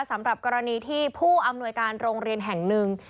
สำหรับกรณีที่ผู้อำนวยการโรงเรียนแห่งหนึ่ง